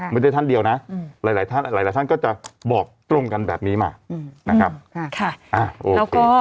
กว่าท่านเดียวนะหลายท่านก็จะบอกตรงกันแบบนี้มานะครับ